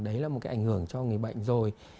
đấy là một cái ảnh hưởng cho người bệnh rồi